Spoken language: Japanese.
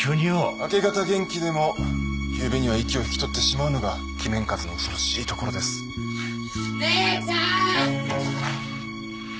明け方元気でも夕べには息を引き取ってしまうのが鬼面風邪の恐ろしいところです姉ちゃん！